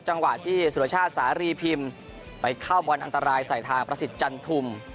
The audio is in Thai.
จังหวะที่สุรชาติสารีพิมพ์ไปเข้าบอลอันตรายใส่ทางประสิทธิ์จันทุม